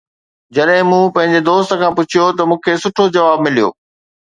جڏهن مون پنهنجي دوست کان پڇيو ته مون کي سٺو جواب مليو